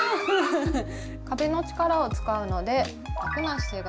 壁の力を使うので楽な姿勢がとれるのと。